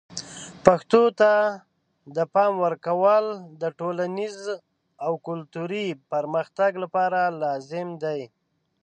پښتو ته د پام ورکول د ټولنیز او کلتوري پرمختګ لپاره لازم دي.